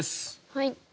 はい。